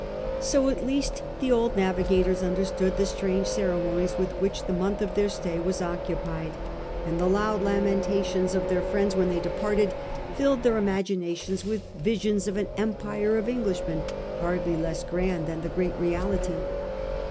So at least the old navigators understood the strange ceremonies with which the month of their stay was occupied; and the loud lamenta 86 5//? FRANCIS DRAKE chap. tions of their friends when they departed filled their imaginations with visions of an empire of Englishmen hardly less grand than the great reality.